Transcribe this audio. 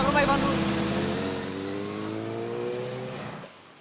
ya kita ke iban dulu